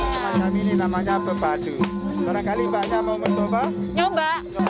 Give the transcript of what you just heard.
tapi jangan pukul saya beneran ya